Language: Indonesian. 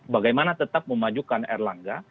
bagaimana tetap memajukan r langga